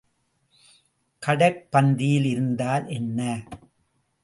கடைப்பந்தியில் இருந்தால் என்ன?